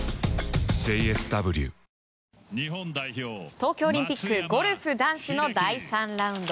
東京オリンピックゴルフ男子の第３ラウンド。